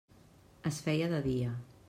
Es feia de dia.